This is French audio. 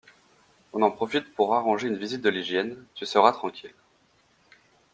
On en profite pour arranger une visite de l’hygiène, tu seras tranquille